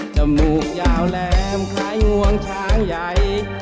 จมูกยาวแหลมคล้ายงวงช้างใหญ่